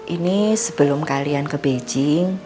ini sebelum kalian ke beijing